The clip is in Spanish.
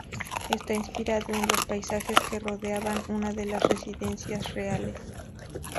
Está inspirado en los paisajes que rodeaban una de las residencias reales.